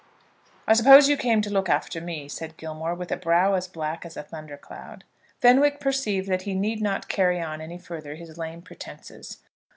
"I suppose you came up to look after me?" said Gilmore, with a brow as black as a thunder cloud. Fenwick perceived that he need not carry on any further his lame pretences.